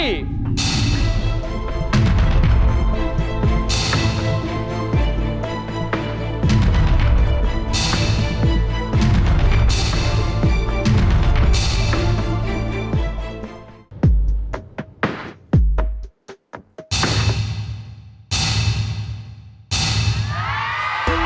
โอ้โห